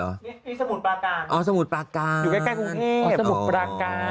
มีสมุทรปลาการอยู่ใกล้กรุงเทพฯสมุทรปลาการ